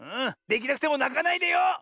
できなくてもなかないでよ！